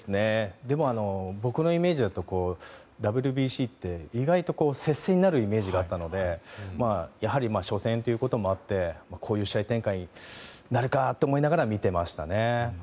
僕のイメージだとＷＢＣは接戦になるイメージがあったので初戦ということもあってこういう試合展開になるかと思いながら見ていました。